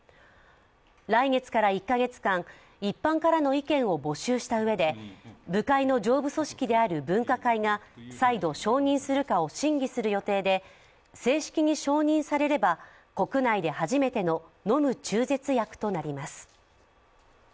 来月から１か月間、一般からの意見を募集したうえで部会の上部組織である分科会が再度、承認するかを審議する予定で正式に承認されれば国内で初めての飲む中絶薬となります。